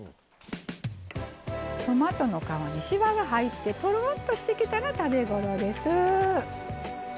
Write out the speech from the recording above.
トマトの皮にしわが入ってとろっとしてきたら食べ頃です。